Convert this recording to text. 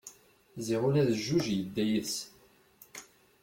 Ziɣ ula d jjuj yedda yid-sen!